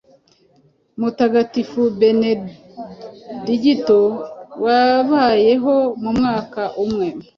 Mutagatifu Benendigito wabayeho mu mwaka umwe